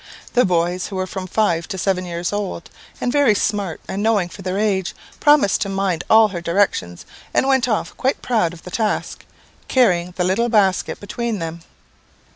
The boys, who are from five to seven years old, and very smart and knowing for their age, promised to mind all her directions, and went off quite proud of the task, carrying the little basket between them.